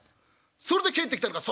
それで帰ってきたのか」。